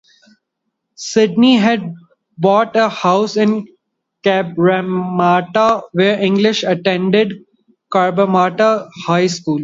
Sydney had bought a house in Cabramatta, where English attended Cabramatta High School.